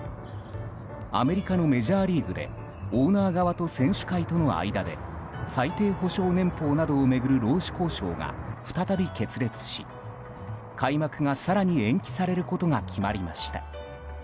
アメリカのメジャーリーグでオーナー側と選手会との間で最低保証年俸などを巡る労使交渉が再び決裂し開幕が更に延期されることが決まりました。